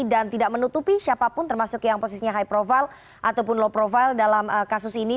dan tidak menutupi siapapun termasuk yang posisinya high profile ataupun low profile dalam kasus ini